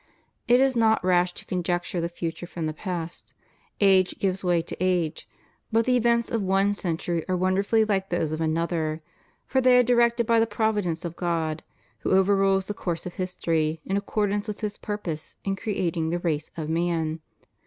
It is not rash to conjecture the future from the past. Age gives way to age, but the events of one century are wonder fully like those of another; for they are directed by the providence of God, who overrules the course of history in accordance with His purposes in creating the race of man.